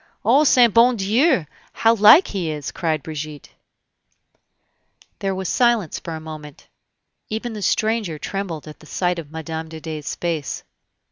"O saint bon Dieu! how like he is!" cried Brigitte. There was silence for a moment; even the stranger trembled at the sight of Mme. de Dey's face.